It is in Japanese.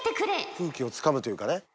空気をつかむというかね。